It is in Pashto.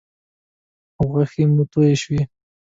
غوښې مې تویې شوې.